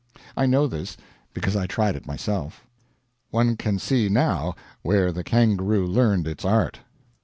I know this, because I tried it myself. One can see now where the kangaroo learned its art.